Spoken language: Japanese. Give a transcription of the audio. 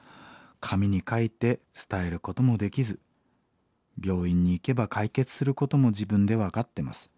「紙に書いて伝えることもできず病院に行けば解決することも自分で分かってます。